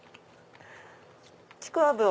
⁉ちくわぶを。